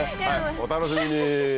お楽しみに。